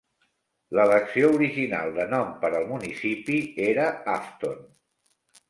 L'elecció original de nom per al municipi era Afton.